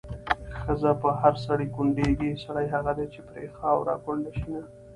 ښځه په هر سړي کونډېږي، سړی هغه دی چې پرې خاوره کونډه شېنه